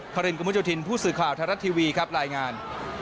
พระเร็ญกุมจุธินผู้สื่อข่าวทารัททีวีครับรายงาน